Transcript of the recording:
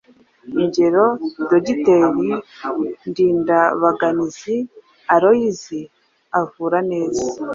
Ingero: Dogiteri Ndindabaganizi Aloyizi avura neza.